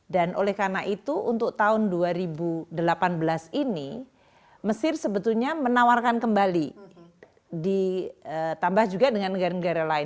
dan oleh karena itu untuk tahun dua ribu delapan belas ini mesir sebetulnya menawarkan kembali ditambah juga dengan negara negara lain